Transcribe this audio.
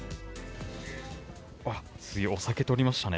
あっ、お酒取りましたね。